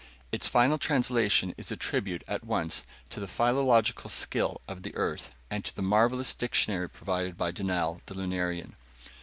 Its final translation is a tribute at once to the philological skill of the Earth and to the marvelous dictionary provided by Dunal, the Lunarian.